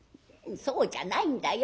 「そうじゃないんだよ。